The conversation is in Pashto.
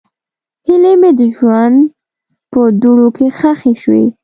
هیلې مې د ژوند په دوړو کې ښخې شوې.